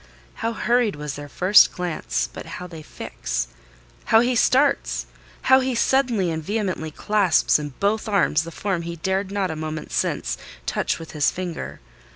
How hurried was their first glance! But how they fix! How he starts! How he suddenly and vehemently clasps in both arms the form he dared not, a moment since, touch with his finger!